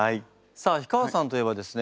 さあ氷川さんといえばですね